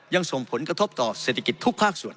ยังส่งผลกระทบต่อเศรษฐกิจทุกภาคส่วน